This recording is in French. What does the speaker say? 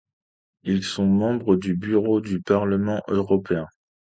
Ils sont membres du Bureau du Parlement européen.